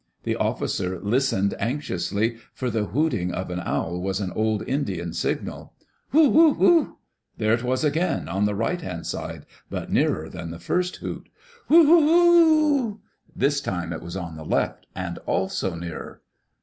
The officer listened anx iously, for the hooting of an owl was an old Indian signal. ^^ Whool fFhoof fFhoo oo/^' There it was again, on the right hand side, but nearer than the first hoot ^'JVhool Whool Whoo'ool This time it was on the left, and also nearer.